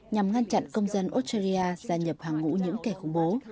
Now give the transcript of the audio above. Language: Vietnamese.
nhằm ngăn chặn công dân australia gia nhập hàng ngũ những kẻ khủng bố